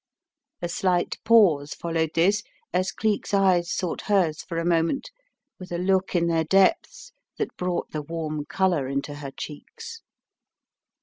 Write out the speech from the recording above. A slight pause followed this as Cleek's eyes sought hers for a moment with a look in their depths thatf brought the warm colour into her cheeks.